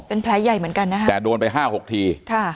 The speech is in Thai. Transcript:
เป็นพลายใหญ่เหมือนกันนะครับแต่โดนไป๕๖ที